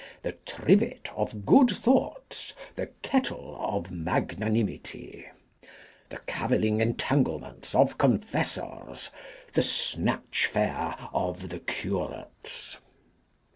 The Trivet of good Thoughts. The Kettle of Magnanimity. The Cavilling Entanglements of Confessors. The Snatchfare of the Curates.